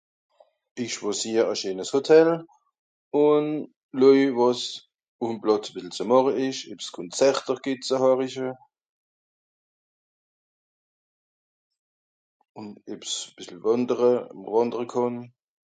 ìsch schwòsier à scheenes Hòtel ùn leuje wàs ùm Plàtz biel zu màche esch ebs Konzerter g'hebt zu hòriche ebs à bìssel wàndere ùm wandere kànn